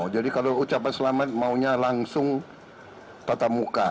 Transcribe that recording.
jadi kalau ucapkan selamat maunya langsung patah muka